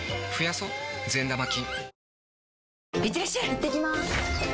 いってきます！